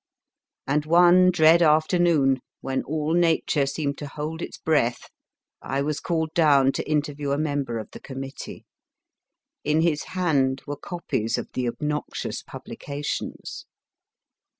And one dread afternoon, when all Nature seemed to hold its breath, I was called down to interview a member of the committee. In his hand were copies of the obnoxious publications.